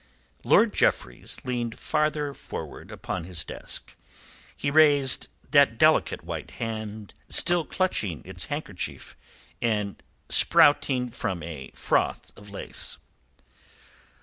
Lord Jeffreys leaned farther forward upon his desk. He raised that delicate white hand, still clutching its handkerchief, and sprouting from a froth of lace.